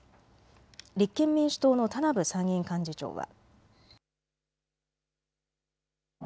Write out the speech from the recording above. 立憲民主党の田名部参議院幹事長は。